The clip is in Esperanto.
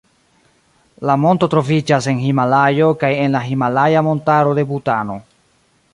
La monto troviĝas en Himalajo kaj en la himalaja montaro de Butano.